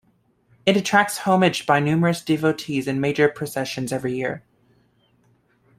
It attracts homage by numerous devotees and major processions every year.